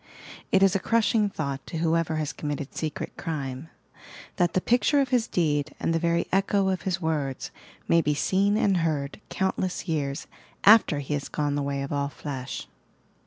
It ia a crushing thought to whoever baa committed secret crime, — that the picture of his deed and the very echo of his words may be seen and heard countless years after he has gone the way of all flesh